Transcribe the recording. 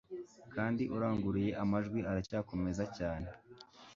Kandi uranguruye amajwi aracyakomeza cyane